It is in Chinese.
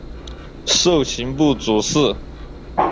授刑部主事。